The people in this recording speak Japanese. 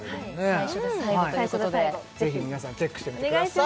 最初で最後ということで最初で最後ぜひぜひ皆さんチェックしてみてください